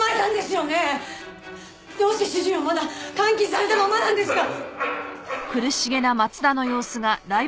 どうして主人はまだ監禁されたままなんですか！？